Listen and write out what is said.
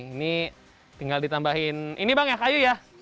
ini tinggal ditambahin ini banyak kayu ya